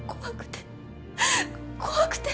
怖くて。